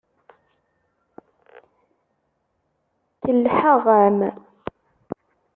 Kellḥeɣ-am.